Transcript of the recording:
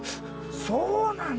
そうなんだ！